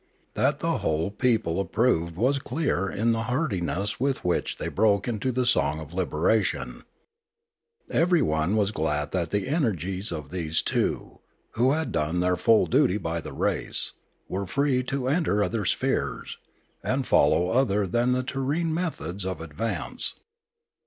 That the whole people ap proved was clear in the heartiness with which they broke into the song of liberation. Everyone was glad that the energies of these two, who had done their full duty by the race, were free to enter other spheres, and follow other than the terrene methods of advance.